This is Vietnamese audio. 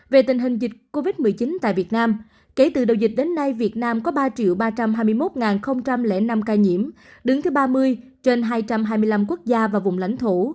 về tình hình dịch covid một mươi chín tại việt nam kể từ đầu dịch đến nay việt nam có ba ba trăm hai mươi một năm ca nhiễm đứng thứ ba mươi trên hai trăm hai mươi năm quốc gia và vùng lãnh thổ